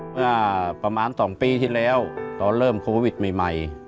เมื่อประมาณ๒ปีที่แล้วตอนเริ่มโควิดใหม่